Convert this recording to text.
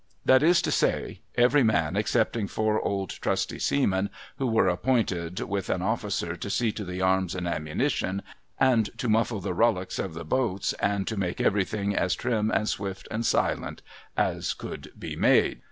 That is to say, every man excepting four old trusty seamen, who were appointed, with an officer, to see to the arms and ammunition, and to muffle the rullocks of the boats, and to make everything as trim and swift and silent as it could be made.